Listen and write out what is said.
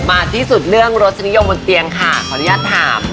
ที่สุดเรื่องรสนิยมบนเตียงค่ะขออนุญาตถาม